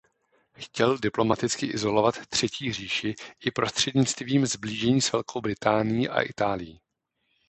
Chtěl diplomaticky izolovat „Třetí říši“ i prostřednictvím sblížení s Velkou Británií a Itálií.